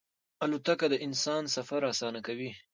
الوتکه د انسان سفر اسانه کړی.